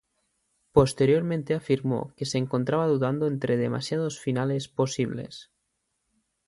Posteriormente afirmó que se encontraba dudando entre demasiados finales posibles.